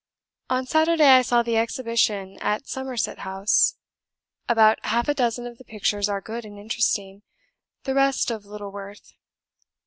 On Saturday I saw the Exhibition at Somerset House; about half a dozen of the pictures are good and interesting, the rest of little worth.